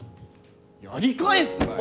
やり返すなよ！